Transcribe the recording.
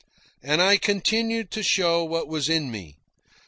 And I continued to show what was in me.